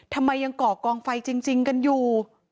ทำไมยังก่อกองไฟจริงกันอยู่